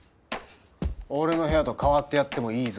俺の部屋と代わってやってもいいぞ。